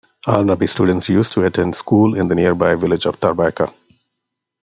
Al-Nabi Rubin students used to attend school in the nearby village of Tarbikha.